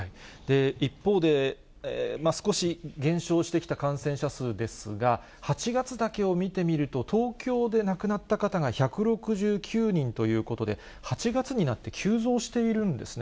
一方で、少し減少してきた感染者数ですが、８月だけを見てみると、東京で亡くなった方が１６９人ということで、８月になって急増しているんですね。